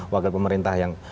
wakil pemerintah yang